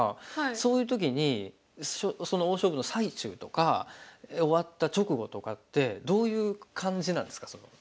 そういう時にその大勝負の最中とか終わった直後とかってどういう感じなんですかその。